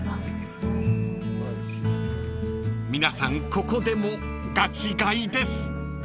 ［皆さんここでもガチ買いです］